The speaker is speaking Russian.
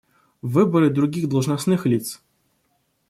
Выборы других должностных лиц.